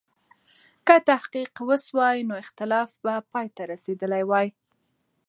که تحقیق و سوای، نو اختلاف به پای ته رسېدلی وای.